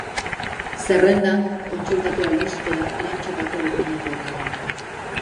Zerrendak kontsultatu albistera erantsitako dokumentuetan.